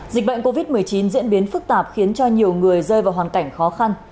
dịch bệnh covid một mươi chín diễn biến phức tạp khiến cho nhiều người rơi vào hoàn cảnh khó khăn